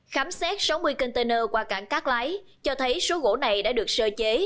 khám xét sáu mươi container qua cảng cát lái cho thấy số gỗ này đã được sơ chế